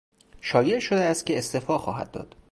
شایع شده است که استعفا خواهد داد.